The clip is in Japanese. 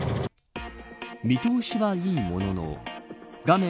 見通しは、いいものの画面